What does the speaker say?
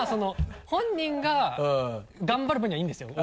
本人が頑張る分にはいいんですよ